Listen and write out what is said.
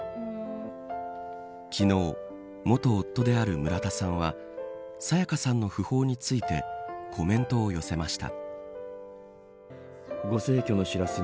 昨日、元夫である村田さんは沙也加さんの訃報についてコメントを寄せました。